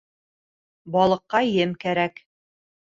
Балыҡҡа ем кәрәк